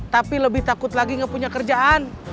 tapi lebih takut lagi nggak punya kerjaan